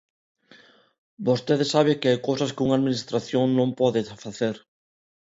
Vostede sabe que hai cousas que unha administración non pode facer.